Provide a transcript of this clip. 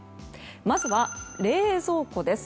まずは、冷蔵庫です。